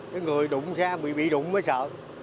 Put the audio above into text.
cái người đụng xa bị đụng mới sợ